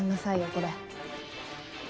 これ。